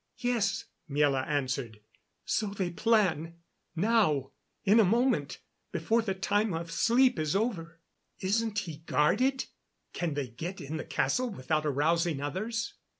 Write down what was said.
"Yes," Miela answered. "So they plan. Now in a moment before the time of sleep is over." "Isn't he guarded? Can they get in the castle without arousing others?"